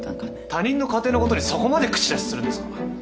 他人の家庭のことにそこまで口出しするんですか？